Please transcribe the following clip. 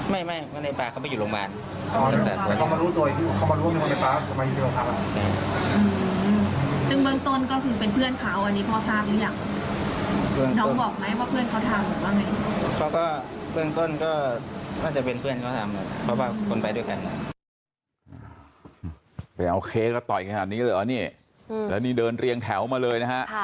ไปเอาเคสแล้วต่อยขนาดนี้เลยเหรอนี่แล้วนี่เดินเรียงแถวมาเลยนะฮะ